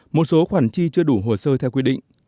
một số khoản chi chưa đủ hồ sơ theo quy định